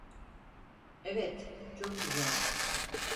Evet, çok güzel.